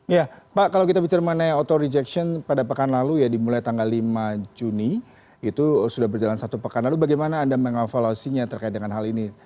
ya pak kalau kita bicara mengenai auto rejection pada pekan lalu ya dimulai tanggal lima juni itu sudah berjalan satu pekan lalu bagaimana anda mengavaluasinya terkait dengan hal ini